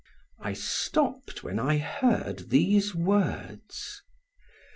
I stopped when I heard these words.